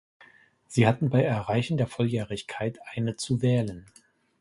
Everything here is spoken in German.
Sie hatten bei Erreichen der Volljährigkeit eine zu wählen.